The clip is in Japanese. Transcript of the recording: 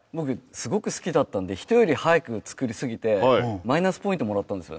すごく好きだったので人より早く作りすぎてマイナスポイントもらったんですよ。